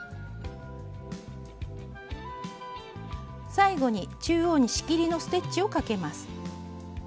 最後に中央に仕切りのステッチをかけます。